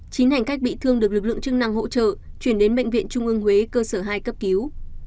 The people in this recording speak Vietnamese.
chín hành khách bị thương được lực lượng chức năng hỗ trợ chuyển đến bệnh viện trung ương huế cơ sở hai cấp cứu